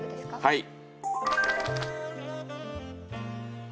はい。